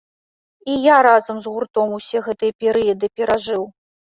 І я разам з гуртом усе гэтыя перыяды перажыў.